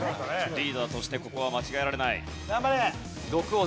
リーダーとしてここは間違えられない。